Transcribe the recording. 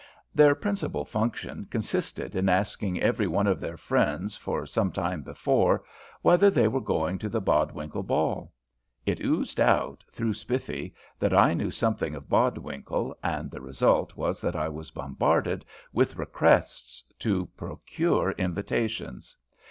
Their principal function consisted in asking every one of their friends for some time before whether they were going to the Bodwinkle ball. It oozed out, through Spiffy, that I knew something of Bodwinkle, and the result was that I was bombarded with requests to procure invitations.